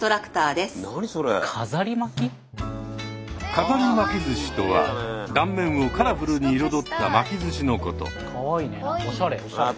飾り巻き寿司とは断面をカラフルに彩った巻き寿司のこと。